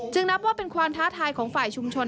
นับว่าเป็นความท้าทายของฝ่ายชุมชน